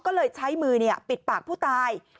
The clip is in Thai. ก็เลยใช้มือปิดปากผู้ตาย